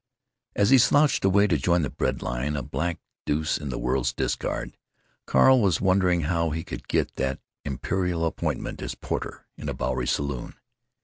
As he slouched away to join the bread line, a black deuce in the world's discard, Carl was wondering how he could get that imperial appointment as porter in a Bowery saloon.